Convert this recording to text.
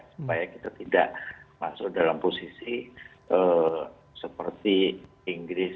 supaya kita tidak masuk dalam posisi seperti inggris